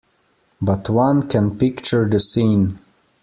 But one can picture the scene.